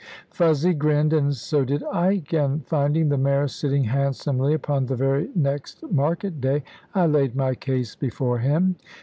Fuzzy grinned, and so did Ike; and finding the mayor sitting handsomely upon the very next market day, I laid my case before him.